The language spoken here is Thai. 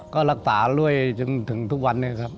ก็รักษาร่วยถึงทุกวัน๒๒